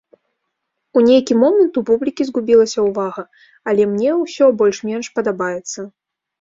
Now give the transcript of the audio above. У нейкі момант у публікі згубілася ўвага, але мне ўсё больш-менш падабаецца.